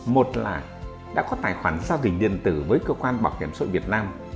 một là đã có tài khoản giao dịch điện tử với cơ quan bảo hiểm sội việt nam